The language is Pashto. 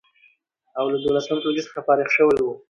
او له دولسم ټولګي څخه فارغ شوی و،